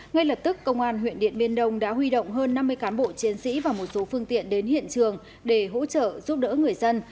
ngay lập tức công an huyện điện biên đông đã huy động hơn năm mươi cán bộ chiến sĩ và một số phương tiện đến hiện trường để hỗ trợ giúp đỡ người dân